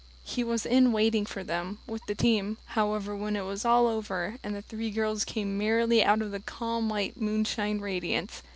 He was in waiting for them, with the team, however, when it was all over, and the three girls came merrily out into the calm, white moonshine radiance.